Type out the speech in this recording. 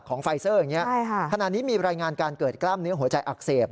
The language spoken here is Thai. ไฟเซอร์อย่างนี้ขณะนี้มีรายงานการเกิดกล้ามเนื้อหัวใจอักเสบ